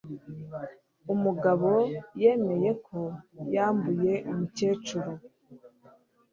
umugabo yemeye ko yambuye umukecuru